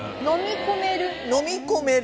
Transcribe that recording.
飲み込める？